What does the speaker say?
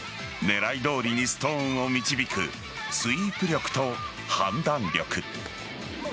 狙いどおりにストーンを導くスイープ力と判断力。